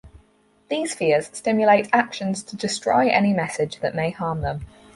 These fears stimulate actions to destroy any message that may harm them.